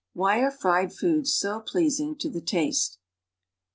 (1) Why are fried foods so pleasing to the taste?